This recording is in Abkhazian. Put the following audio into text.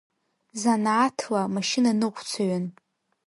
Занааҭла машьынаныҟәцаҩын.